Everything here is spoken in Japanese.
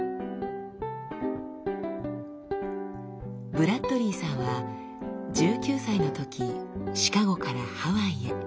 ブラッドリーさんは１９歳のときシカゴからハワイへ。